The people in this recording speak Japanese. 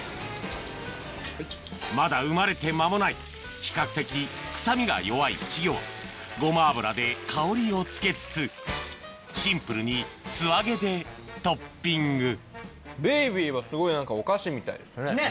まだ生まれて間もない比較的臭みが弱い稚魚はゴマ油で香りをつけつつシンプルに素揚げでトッピングベビーはすごい何かお菓子みたいですね。